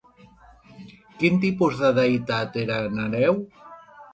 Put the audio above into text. Quin tipus de deïtat era Nereu?